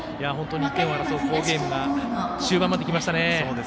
本当に１点を争う好ゲームが終盤まで来ましたね。